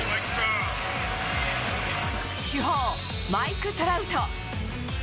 主砲、マイク・トラウト。